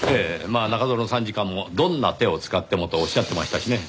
まあ中園参事官もどんな手を使ってもとおっしゃってましたしね。